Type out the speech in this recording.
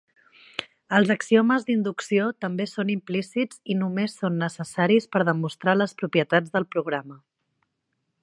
Els axiomes d'inducció també són implícits i només són necessaris per demostrar les propietats del programa.